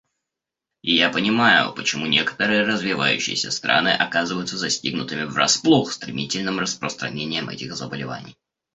Я понимаю, почему некоторые развивающиеся страны оказываются застигнутыми врасплох стремительным распространением этих заболеваний.